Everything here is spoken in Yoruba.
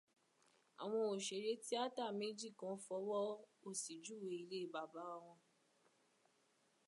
Àwọn òṣèré tíátà méjì kan fọ́wọ́ òsì júwe ilé bàbá wọn.